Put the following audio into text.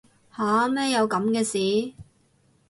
吓乜有噉嘅事